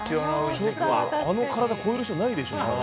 あの体超える人いないでしょ。